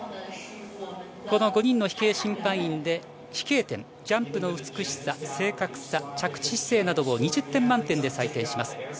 この５人に飛型審判員で飛型点ジャンプの美しさ、正確さ着地姿勢などを２０点満点で採点します。